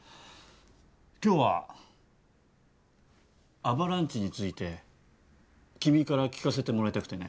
今日はアバランチについて君から聞かせてもらいたくてね。